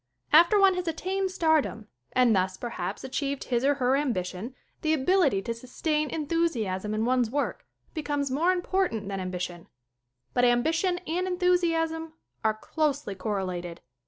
After one has attained stardom and thus, perhaps, achieved his or her ambition the ability to sustain en thusiasm in one's work becomes more import ant than ambition. But ambition and enthus iasm are closely correlated.